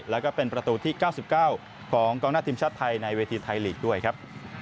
แล้วก็เป็นประตูที่๙๙ของกองหน้าทีมชาติไทยในเวทีไทยลีกด้วยครับ